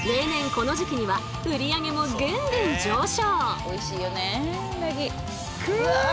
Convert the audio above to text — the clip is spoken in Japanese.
この時期には売り上げもぐんぐん上昇！